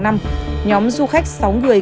nhóm du khách sáu người